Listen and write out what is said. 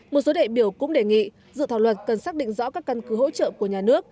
một số đại biểu cũng đề nghị dự thảo luật cần xác định rõ các căn cứ hỗ trợ của nhà nước